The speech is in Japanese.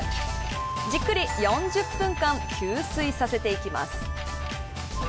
じっくり４０分間給水させていきます。